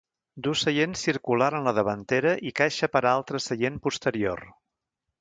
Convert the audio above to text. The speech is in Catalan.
Duu seient circular en la davantera i caixa per a altre seient posterior.